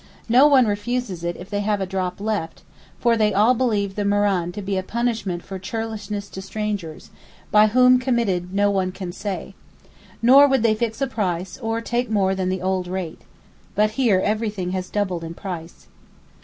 No one refuses it if they have a drop left, for they all believe the murrain to be a punishment for churlishness to strangers—by whom committed no one can say. Nor would they fix a price, or take more than the old rate. But here everything has doubled in price.